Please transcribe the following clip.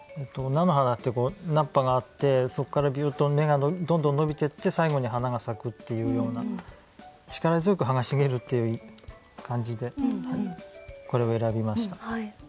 菜の花って菜っぱがあってそこからびゅっと根がどんどん伸びていって最後に花が咲くっていうような力強く葉が繁るっていう感じでこれを選びました。